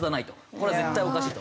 これは絶対おかしいと。